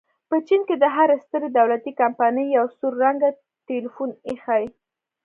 په چین کې د هرې سترې دولتي کمپنۍ یو سور رنګه ټیلیفون ایښی.